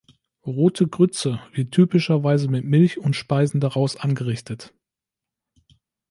Rote Grütze wird typischerweise mit Milch und Speisen daraus angerichtet.